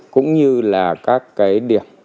cũng như là các cái điểm